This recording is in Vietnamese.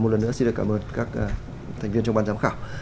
một lần nữa xin được cảm ơn các thành viên trong ban giám khảo